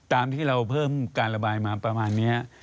ตามที่เราเพิ่มการระบายมาประมาณนี้